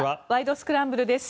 スクランブル」です。